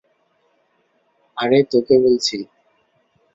আরে, তোকে বলছি।